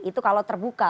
itu kalau terbuka